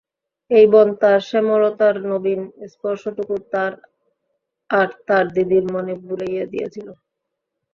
এই বন তার শ্যামলতার নবীন স্পর্শটুকু তার আর তার দিদির মনে বুলাইয়া দিয়াছিল।